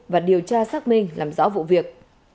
và điều tra xác minh làm rõ vụ việc